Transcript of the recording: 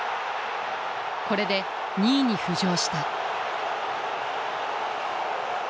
これで２位に浮上した。